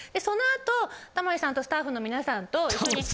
その後タモリさんとスタッフの皆さんと。